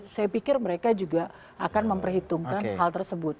saya pikir mereka juga akan memperhitungkan hal tersebut